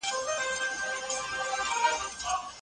ساده ژبه ستاسو پیغام په چټکۍ سره رسوي.